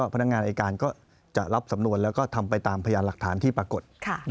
พนักงานอายการก็จะรับสำนวนแล้วก็ทำไปตามพยานหลักฐานที่ปรากฏ